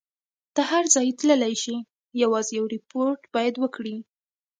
ته هر ځای تللای شې، یوازې یو ریپورټ باید وکړي.